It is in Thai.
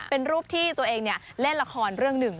เป็นรูปที่ตัวเองเล่นละครเรื่องหนึ่ง